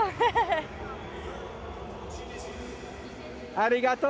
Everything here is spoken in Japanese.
ありがとう。